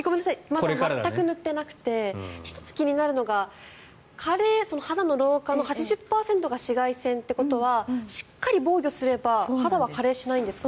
まだ全く塗ってなくて１つ気になるのが肌の老化の８０％が紫外線ということはしっかり防御すれば肌は加齢しないんですか？